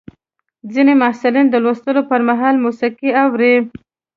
ځینې محصلین د لوستلو پر مهال موسیقي اوري.